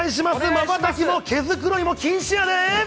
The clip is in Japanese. まばたきも毛繕いも禁止やで。